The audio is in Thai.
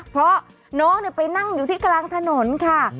เพราะน้องไปนั่งอยู่ที่กลางถนนค่ะ